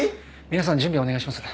皆さん準備をお願いします。